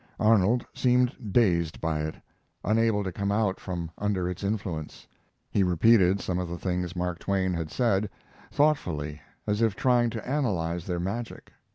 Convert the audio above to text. Arnold seemed dazed by it, unable to come out from under its influence. He repeated some of the things Mark Twain had said; thoughtfully, as if trying to analyze their magic.